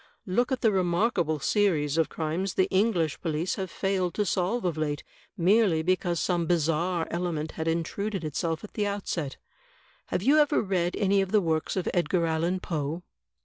Look at the remarkable series of crimes the English police have failed to solve of late, merely because some bizarre element had intruded itself at the outset. Have you ever read any of the works of Edgar Allan Poe?"